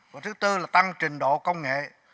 và thứ tư là tăng trình độ công nghệ